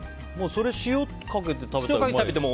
それ、塩かけて食べても。